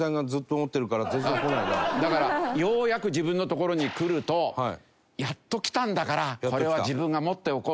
だからようやく自分のところに来るとやっと来たんだからこれは自分が持っておこうと。